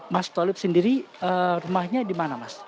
mas tolib sendiri rumahnya di mana mas